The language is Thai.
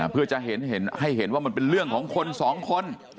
เพื่อจะให้เห็นว่ามันเป็นเรื่องของคนสองคน